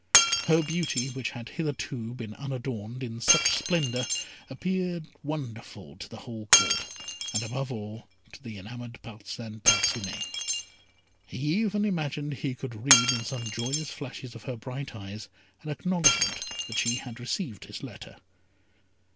Her beauty, which had hitherto been unadorned, in such splendour, appeared wonderful to the whole court, and, above all, to the enamoured Parcin Parcinet. He even imagined he could read in some joyous flashes of her bright eyes an acknowledgment that she had received his letter.